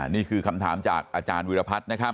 นี่คือคำถามจากอาจารย์วิรพัฒน์นะครับ